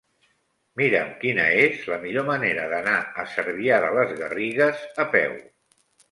Mira'm quina és la millor manera d'anar a Cervià de les Garrigues a peu.